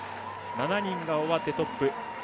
７人が終わってトップ。